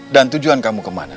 dan tujuan kamu kemana